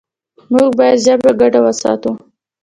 موږ باید ژبه ګډه وساتو.